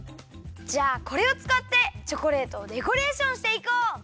じゃあこれをつかってチョコレートをデコレーションしていこう！